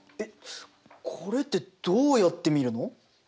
えっこれってどうやって見るの？